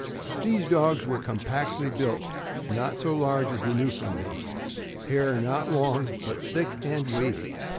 These dogs were com pactly built— not so large as the Newfoundland; hair not long, but thick and wavy.